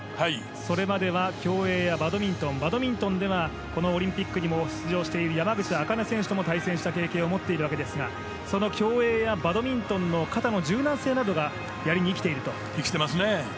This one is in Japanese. それまでは競泳やバドミントンバドミントンではこのオリンピックにも出場している山口茜選手とも対戦した経験もありますがその競泳やバドミントンの肩の柔軟性などが生きてますね。